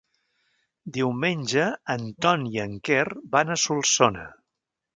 Diumenge en Ton i en Quer van a Solsona.